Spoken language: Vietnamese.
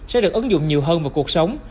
sẽ được ứng dụng nhiều hơn vào cuộc sống